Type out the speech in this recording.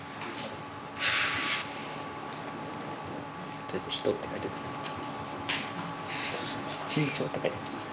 とりあえず「人」って書いといて。